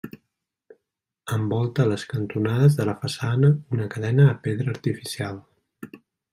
Envolta les cantonades de la façana una cadena de pedra artificial.